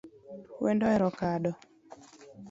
Wendo ohero kado